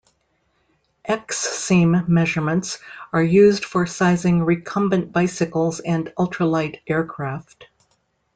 X-seam measurements are used for sizing recumbent bicycles and ultralight aircraft.